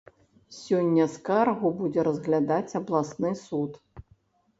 Сёння скаргу будзе разглядаць абласны суд.